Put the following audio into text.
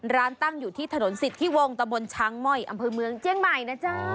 ร้านตั้งอยู่ที่ถนนสิทธิวงตะบนช้างม่อยอำเภอเมืองเจียงใหม่นะจ๊ะ